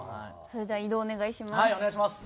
それでは移動お願いします。